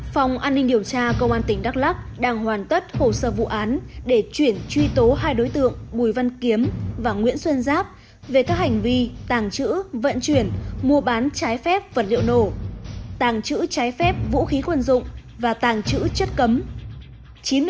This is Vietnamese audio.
phòng an ninh điều tra công an tỉnh đắk lắc đang hoàn tất hồ sơ vụ án để chuyển truy tố hai đối tượng bùi văn kiếm và nguyễn xuân giáp về các hành vi tàng trữ vận chuyển mua bán trái phép vật liệu nổ tàng trữ trái phép vũ khí quân dụng và tàng trữ chất cấm